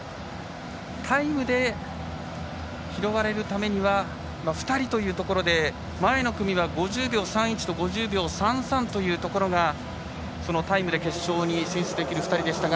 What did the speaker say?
タイムで拾われるためには２人というところで、前の組は５０秒３１と５０秒３３というところがタイムで決勝に進出できる２人でしたが。